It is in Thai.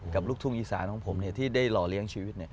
ลูกทุ่งอีสานของผมที่ได้หล่อเลี้ยงชีวิต